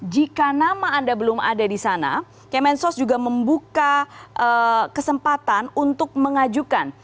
jika nama anda belum ada di sana kemensos juga membuka kesempatan untuk mengajukan